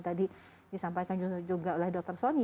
tadi disampaikan juga oleh dokter sonny